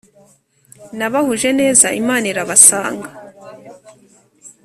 nabahuje neza imana irabasanga.”